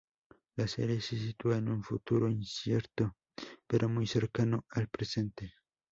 La serie se sitúa en un futuro incierto pero muy cercano al presente.